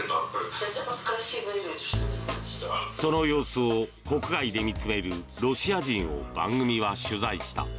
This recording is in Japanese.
その様子を国外で見つめるロシア人を番組は取材した。